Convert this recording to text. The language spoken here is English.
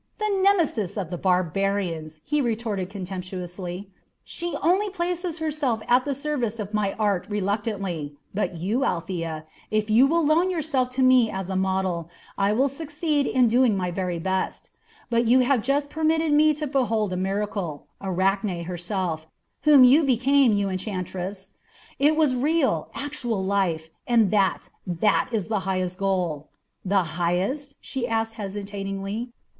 "The Nemesis of the barbarians!" he retorted contemptuously. "She only placed herself at the service of my art reluctantly; but you, Althea, if you will loan yourself to me as a model, I shall succeed in doing my very best; for you have just permitted me to behold a miracle, Arachne herself, whom you became, you enchantress. It was real, actual life, and that that is the highest goal." "The highest?" she asked hesitatingly.